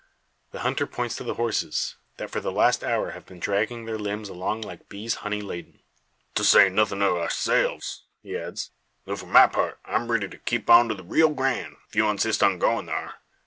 The hunter points to the horses, that for the last hour have been dragging their limbs along like bees honey laden. "To say nothin' o' ourselves," he adds, "though for my part I'm riddy to keep on to the Rio Grand, if you insist on goin' thar."